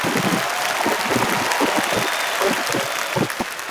এর আগেও এসব বলেছ!